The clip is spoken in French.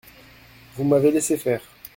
Vous m'avez laissé faire.